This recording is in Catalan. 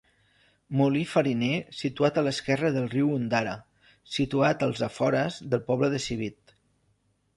Molí fariner situat a l’esquerra del riu Ondara, situat als afores del poble de Civit.